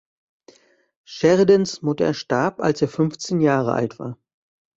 Sheridans Mutter starb, als er fünfzehn Jahre alt war.